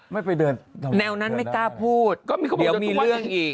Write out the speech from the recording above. ไม่ไปเดินเดี๋ยวน่ะแนวนั้นไม่กล้าพูดเดี๋ยวมีเรื่องอีก